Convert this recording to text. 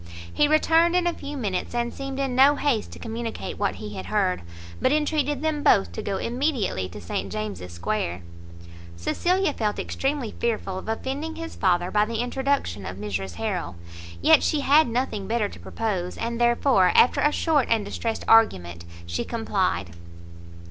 He returned in a few minutes, and seemed in no haste to communicate what he had heard, but entreated them both to go immediately to St James's square. Cecilia felt extremely fearful of offending his father by the introduction of Mrs Harrel; yet she had nothing better to propose, and therefore, after a short and distressed argument, she complied.